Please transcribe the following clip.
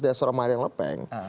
dari seorang mariam lepeng